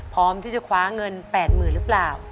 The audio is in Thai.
พร้อมที่จะคว้าเงิน๘๐๐๐หรือเปล่า